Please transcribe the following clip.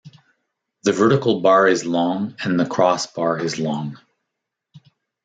The vertical bar is long and the crossbar is long.